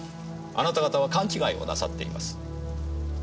あなた方は勘違いをなさっています。